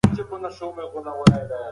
عمر په نرمۍ سره د غلام پر اوږه لاس کېښود.